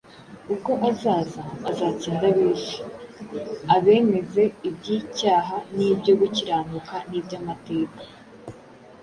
Ubwo azaza, azatsinda ab’isi, abemeze iby’icyaha n’ibyo gukiranuka n’iby’amateka